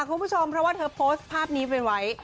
รูปดีตอนนี้น่ะเธอโพสฟ้าวนี้เว้นไว้